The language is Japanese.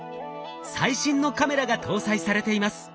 最新のカメラが搭載されています。